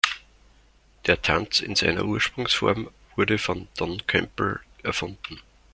Der Tanz in seiner Ursprungsform wurde von Don Campbell erfunden.